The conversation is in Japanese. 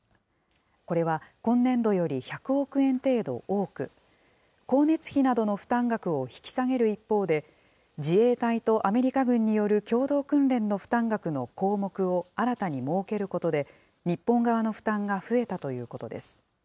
これは今年度より１００億円程度多く、光熱費などの負担額を引き下げる一方で、自衛隊とアメリカ軍による共同訓練の負担額の項目を新たに設けることで日本側の負担が増えたということです。